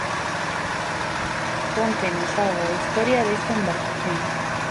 Cóntennos algo da historia desta embarcación.